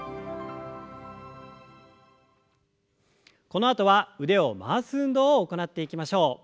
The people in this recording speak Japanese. このあとは腕を回す運動を行っていきましょう。